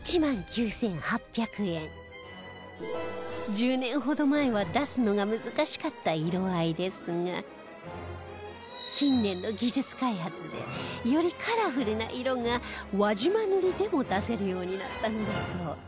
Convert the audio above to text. １０年ほど前は出すのが難しかった色合いですが近年の技術開発でよりカラフルな色が輪島塗でも出せるようになったのだそう